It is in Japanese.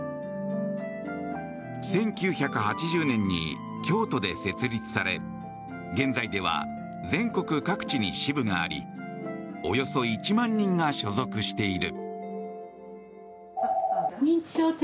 １９８０年に京都で設立され現在では全国各地に支部がありおよそ１万人が所属している。